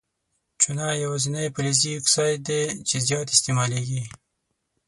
چونه یوازیني فلزي اکساید دی چې زیات استعمالیږي.